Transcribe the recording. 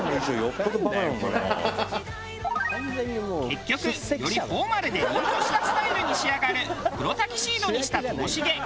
結局よりフォーマルで凛としたスタイルに仕上がる黒タキシードにしたともしげ。